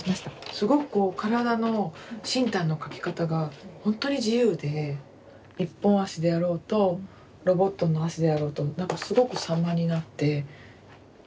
すごく身体の描き方が本当に自由で一本足であろうとロボットの足であろうとすごく様になって。